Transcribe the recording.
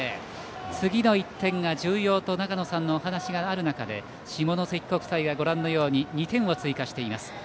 次の１点が重要と長野さんのお話がある中で下関国際がご覧のように２点を追加しています。